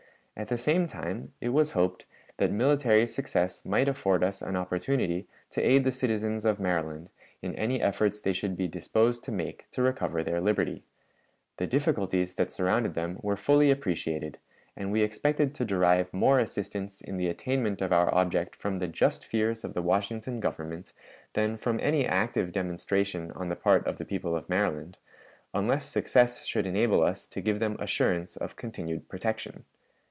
At the same time it was hoped that military success might afford us an opportunity to aid the citizens of Maryland in any efforts they should be disposed to make to recover their liberty. The difficulties that surrounded them were fully appreciated, and we expected to derive more assistance in the attainment of our object from the just fears of the Washington Government than from any active demonstration on the part of the people of Maryland, unless success should enable us to give them assurance of continued protection.